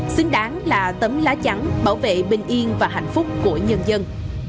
xứng đáng là tấm lá chắn bảo vệ bình yên và hạnh phúc của nhân dân